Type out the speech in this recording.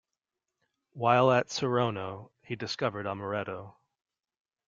While at Saronno, he discovered amaretto.